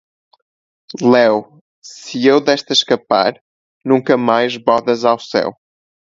léu, Se eu desta escapar, Nunca mais bodas ao céu...”